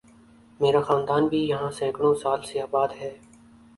میرا خاندان بھی یہاں سینکڑوں سال سے آباد ہے